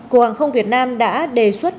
cục hàng không việt nam đã đề xuất